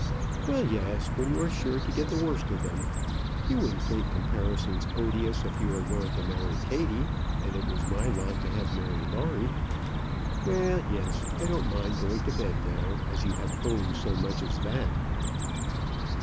"Well, yes; when you are sure to get the worst of them. You wouldn't think comparisons odious if you were going to marry Kattie, and it was my lot to have Mary Lawrie. Well, yes; I don't mind going to bed now, as you have owned so much as that."